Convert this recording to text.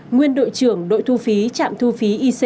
nguyên đội trưởng đội thu phí trạm thu phí ic một mươi bốn